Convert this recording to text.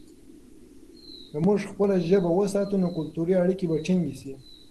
که موږ خپله ژبه وساتو، نو کلتوري اړیکې به ټینګې شي.